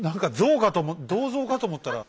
銅像かと思ったら。